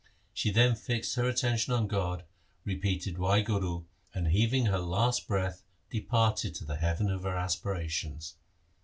She then fixed her attention on God, repeated ' Wahguru', and heaving her last breath departed to the heaven of her aspirations.